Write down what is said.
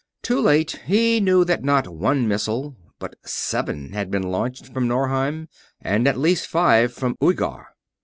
Too late, he knew that not one missile, but seven, had been launched from Norheim, and at least five from Uighar.